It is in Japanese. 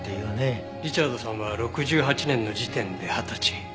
リチャードさんは６８年の時点で二十歳。